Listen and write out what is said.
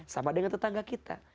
sama dengan tetangga kita